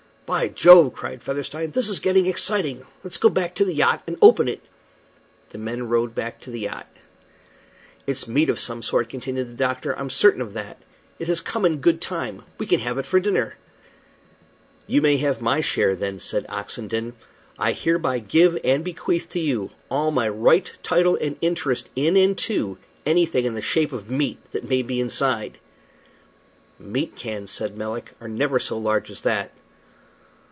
"By Jove!" cried Featherstone, "this is getting exciting. Let's go back to the yacht and open it." The men rowed back to the yacht. "It's meat of some sort," continued the doctor. "I'm certain of that. It has come in good time. We can have it for dinner." "You may have my share, then," said Oxenden. "I hereby give and bequeath to you all my right, title, and interest in and to anything in the shape of meat that may be inside." "Meat cans," said Melick, "are never so large as that."